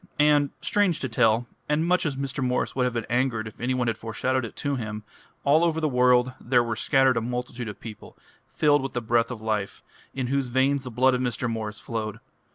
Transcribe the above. And, strange to tell, and much as Mr. Morris would have been angered if any one had foreshadowed it to him, all over the world there were scattered a multitude of people, filled with the breath of life, in whose veins the blood of Mr. Morris flowed.